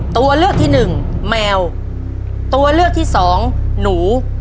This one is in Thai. ตัวเลือกที่หนึ่งแมวตัวเลือกที่สองหนู